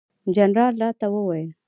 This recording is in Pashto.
جنرال راته وویل.